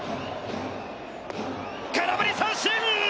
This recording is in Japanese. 空振り三振！